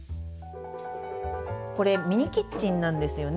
これミニキッチンなんですよね。